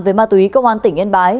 với ma túy công an tỉnh yên bái